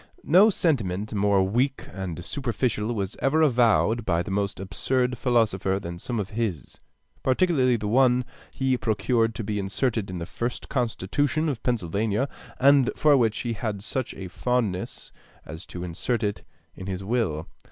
No sentiment more weak and superficial was ever avowed by the most absurd philosopher than some of his, particularly one that he procured to be inserted in the first constitution of Pennsylvania, and for which he had such a fondness as to insert it in his will.